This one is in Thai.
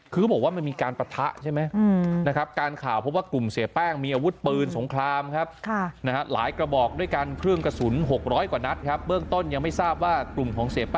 คือบอกว่ามันมีการประทะใช่ไหม